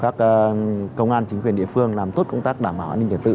các công an chính quyền địa phương làm tốt công tác đảm bảo an ninh trật tự